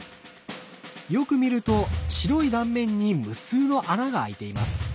よく見ると白い断面に無数の穴が開いています。